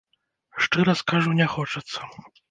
Шчыра скажу, не хочацца.